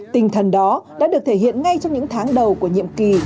tinh thần đó đã được thể hiện ngay trong những tháng đầu của nhiệm kỳ